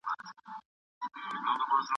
دا میراث به لېږدیږي.